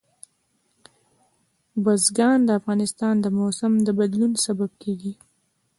بزګان د افغانستان د موسم د بدلون سبب کېږي.